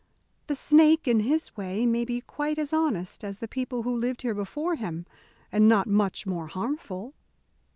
The snake, in his way, may be quite as honest as the people who lived here before him, and not much more harmful.